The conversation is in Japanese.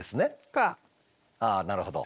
あなるほど。